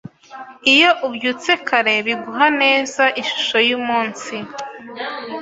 iyo ubyutse kare biguha neza ishusho y umunsi